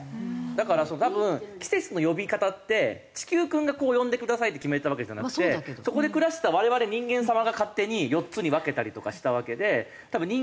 だから多分季節の呼び方って地球君がこう呼んでくださいって決めたわけじゃなくてそこで暮らしてた我々人間様が勝手に４つに分けたりとかしたわけで人間の都合だと思うんですよ。